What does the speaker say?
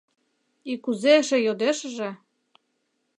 И кузе эше йодешыже?